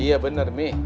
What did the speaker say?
iya bener mi